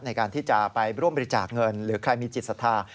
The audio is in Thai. ในการที่จะไปร่วมบริจาคเงินหรือใครมีจิตศรัทธา